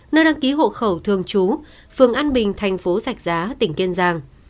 nơi đăng ký hộ khẩu thường trú phường an bình thành phố sạch giá tỉnh kiên giang